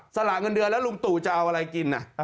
สละเงินเดือนแล้วลุงตู่จะเอาอะไรกิน